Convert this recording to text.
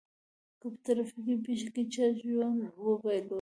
که په ترافيکي پېښه کې چا ژوند وبایلود.